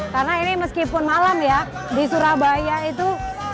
karena ini meskipun malam ya di surabaya itu